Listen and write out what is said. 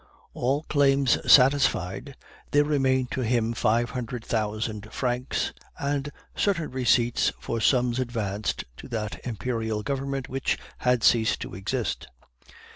"All claims satisfied, there remained to him five hundred thousand francs and certain receipts for sums advanced to that Imperial Government, which had ceased to exist.